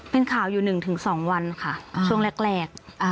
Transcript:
เป็นข่าวอยู่๑๒วันค่ะช่วงแรก